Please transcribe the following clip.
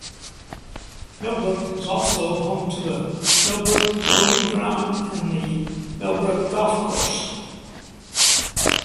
Millbrook is also home to the Millbrook Proving Ground and The Millbrook Golf Club.